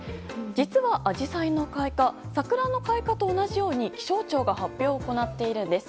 実は、アジサイの開花は桜の開花と同じように気象庁が発表を行っているんです。